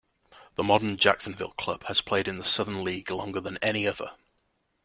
The modern Jacksonville club has played in the Southern League longer than any other.